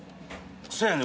せやねん